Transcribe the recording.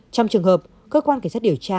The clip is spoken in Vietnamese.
trong trường hợp cơ quan cảnh sát điều tra